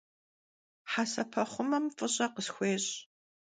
Hesepexhumem f'ış'e khısxuêş'.